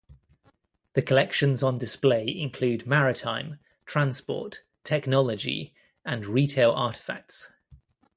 The collections on display include maritime, transport, technology and retail artefacts.